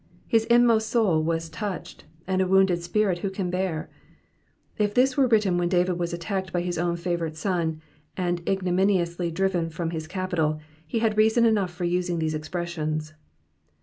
His inmost soul was touched ; and a wounded spirit who can bear ? If this were written when David was attacked by his own favourite son, and ignominiously driven from his capital, he had reason enough for using these expressions.